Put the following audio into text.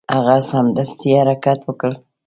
هغه سمدستي حرکت وکړ.